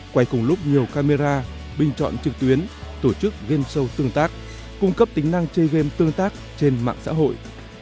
quay cùng lúc nhiều camera bình chọn trực tuyến tổ chức game show tương tác cung cấp tính năng chơi game tương tác trên mạng xã hội